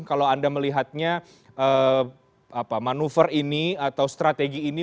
kalau anda melihatnya manuver ini atau strategi ini